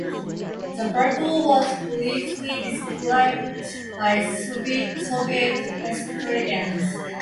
The battle was only briefly described by Soviet historians.